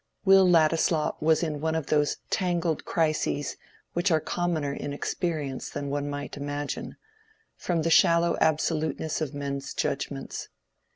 Will Ladislaw was in one of those tangled crises which are commoner in experience than one might imagine, from the shallow absoluteness of men's judgments.